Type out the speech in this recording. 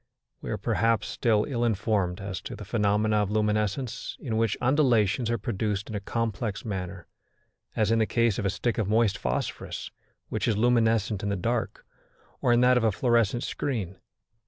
We are, perhaps, still ill informed as to the phenomena of luminescence in which undulations are produced in a complex manner, as in the case of a stick of moist phosphorus which is luminescent in the dark, or in that of a fluorescent screen.